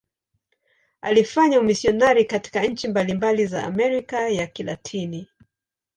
Alifanya umisionari katika nchi mbalimbali za Amerika ya Kilatini.